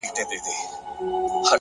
د نیت پاکوالی د لارې وضاحت زیاتوي